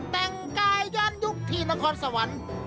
แต่งกายย้อนยุคที่นครสวรรค์